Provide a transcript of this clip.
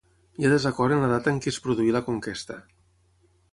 Hi ha desacord en la data en què es produí la conquesta.